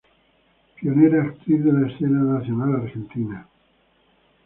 Pionera actriz de la escena nacional argentina.